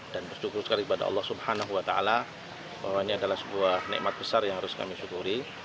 dan bersyukur sekali kepada allah swt bahwa ini adalah sebuah nekmat besar yang harus kami syukuri